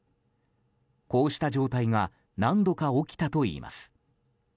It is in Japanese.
こうした状態が何度か起きたといいます。